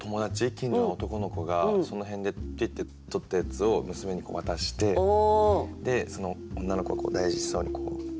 近所の男の子がその辺でぴってとったやつを娘に渡してその女の子が大事そうにこう。